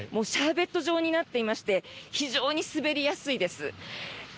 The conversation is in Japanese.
シャーベット状になっていまして非常に滑りやすいです。